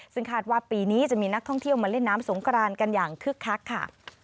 ซึ่งคาดว่าปีนี้จะมีนักท่องเที่ยวมาเล่นน้ำสงกรานกันอย่างคึกคักค่ะ